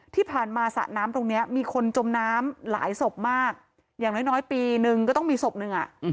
ที่ผ่านมาสระน้ำตรงนี้มีคนจมน้ำหลายศพมากอย่างน้อยปีนึงก็ต้องมีศพหนึ่งอ่ะ